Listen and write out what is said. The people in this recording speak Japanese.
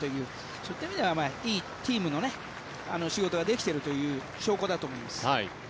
そういった意味ではチームのいい仕事ができているという証拠だと思います。